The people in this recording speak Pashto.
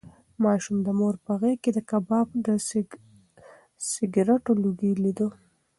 ماشوم د مور په غېږ کې د کباب د سګرټو لوګی لیده.